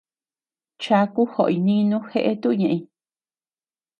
Chaku joʼoy nínu jeʼe tuʼu ñeʼeñ.